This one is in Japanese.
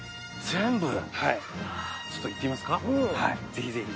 ぜひぜひ。